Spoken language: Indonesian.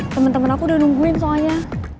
temen temen aku udah nungguin soalnya